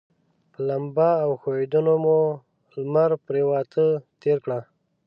په لمبا او ښویندیو مو لمر پرېواته تېره کړه.